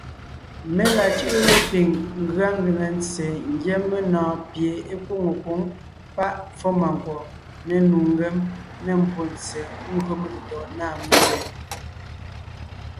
Mé la cʉ́ʼʉ lepiŋ , ńcʉa ngʉŋe ntse ńgyɛ́ menɔ̀ɔn pie é nkwóŋo nkwǒŋ páʼ pfómànkwɔ̀ʼ, ne nnu ngém, ne mbwóntse gÿo metetɔ̀ʼ nâ melẅɛ̀.